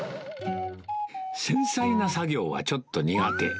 繊細な作業はちょっと苦手。